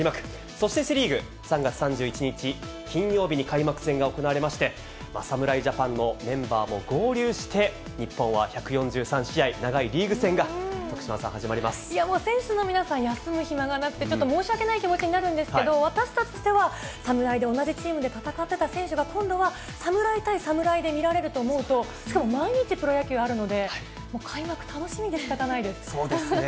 そしてセ・リーグ、３月３１日金曜日に開幕戦が行われまして、侍ジャパンのメンバーも合流して、日本は１４３試合、長いリーグ戦が、選手の皆さん、休む暇がなくて、ちょっと申し訳ない気持ちになるんですけれども、私たちとしては、侍で同じチームで戦っていた選手が、今度は侍対侍で見られると思うと、しかも毎日プロ野球あるので、そうですね。